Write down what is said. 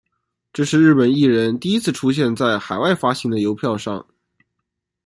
这是日本艺人第一次出现在海外发行的邮票上。